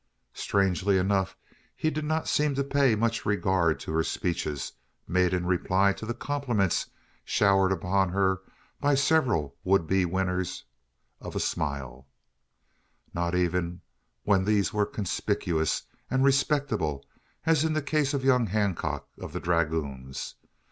Strangely enough he did not seem to pay much regard to her speeches, made in reply to the compliments showered upon her by several would be winners of a smile not even when these were conspicuous and respectable, as in the case of young Hancock of the dragoons.